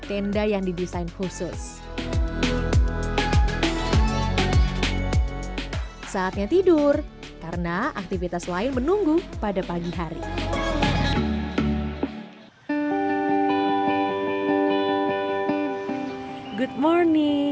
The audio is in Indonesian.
tenda yang didesain khusus saatnya tidur karena aktivitas lain menunggu pada pagi hari good morning